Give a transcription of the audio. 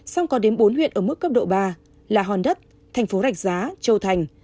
song có đến bốn huyện ở mức cấp độ ba là hòn đất thành phố rạch giá châu thành